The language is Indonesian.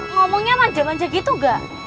ngomongnya manja manja gitu enggak